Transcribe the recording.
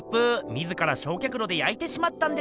自らしょうきゃくろで焼いてしまったんです。